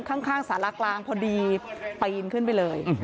ข้างสารากลางพอดีปีนขึ้นไปเลย